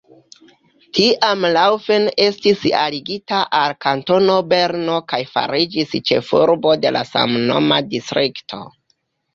Tiam Laufen estis aligita al Kantono Berno kaj fariĝis ĉefurbo de la samnoma distrikto.